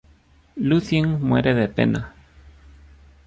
Lúthien muere de pena.